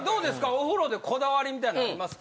お風呂でこだわりみたいなのありますか？